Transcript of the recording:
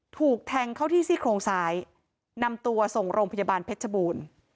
ถูกแทงเข้าที่ซี่โครงซ้ายนำตัวส่งโรงพยาบาลเพชรบูรณ์